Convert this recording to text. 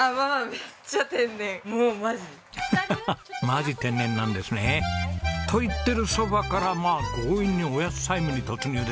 マジ天然なんですね。と言ってるそばからまあ強引におやつタイムに突入ですね。